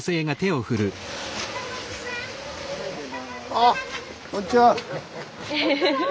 あっこんにちは。